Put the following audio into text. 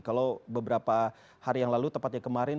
kalau beberapa hari yang lalu tepatnya kemarin